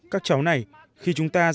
các cháu này khi chúng ta ra ngoài trời